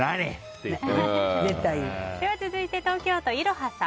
続いて、東京都の方。